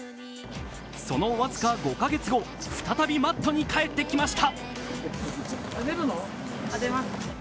その僅か５か月後、再びマットに帰ってきました。